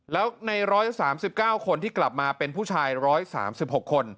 แล้วใน๑๓๙คนที่กลับมาเป็นผู้ชาย๑๓๖คน